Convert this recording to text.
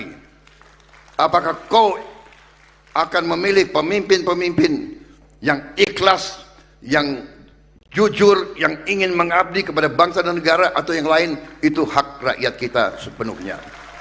tapi apakah kau akan memilih pemimpin pemimpin yang ikhlas yang jujur yang ingin mengabdi kepada bangsa dan negara atau yang lain itu hak rakyat kita sepenuhnya